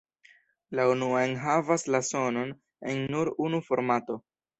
La unua enhavas la sonon en nur unu formato.